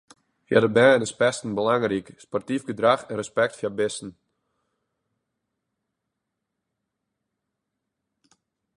Foar de bern is pesten belangryk, sportyf gedrach en respekt foar bisten.